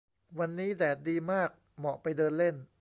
วันนี้แดดดีมาก เหมาะไปเดินเล่น